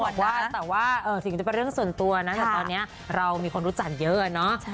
ว่าแต่ว่าสิ่งนี้จะเป็นเรื่องส่วนตัวนะแต่ตอนนี้เรามีคนรู้จักเยอะอะเนาะ